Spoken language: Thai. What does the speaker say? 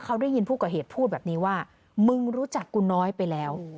เขาได้ยินผู้ก่อเหตุพูดแบบนี้ว่ามึงรู้จักกูน้อยไปแล้ว